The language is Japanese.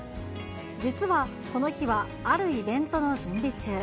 実は、この日はあるイベントの準備中。